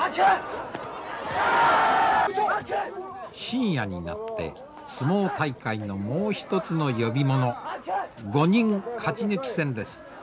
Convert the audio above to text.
深夜になって相撲大会のもう一つの呼び物５人勝ち抜き戦です。